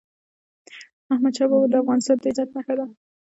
احمدشاه بابا د افغانستان د عزت نښه ده.